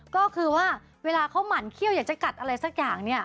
ก็คือว่าเวลาเขาหมั่นเขี้ยวอยากจะกัดอะไรสักอย่างเนี่ย